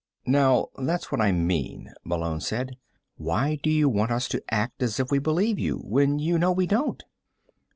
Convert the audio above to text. "Now that's what I mean," Malone said. "Why do you want us to act as if we believe you, when you know we don't?"